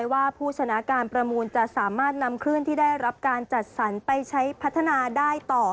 ว่าผู้ชนะการประมูลจะสามารถนำคลื่นที่ได้รับการจัดสรรไปใช้พัฒนาได้ต่อ